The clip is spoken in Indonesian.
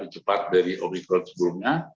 sepat dari omicron sebelumnya